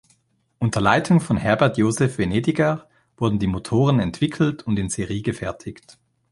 Unter Leitung von Herbert Josef Venediger wurden die Motoren entwickelt und in Serie gefertigt.